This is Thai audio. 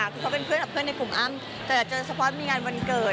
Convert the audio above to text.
คือเขาเป็นเพื่อนกับเพื่อนในกลุ่มอ้ำแต่เจอเฉพาะมีงานวันเกิด